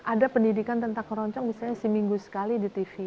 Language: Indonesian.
ada pendidikan tentang keroncong misalnya seminggu sekali di tv